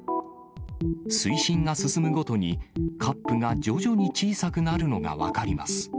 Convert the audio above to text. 水深が進むごとに、カップが徐々に小さくなるのが分かります。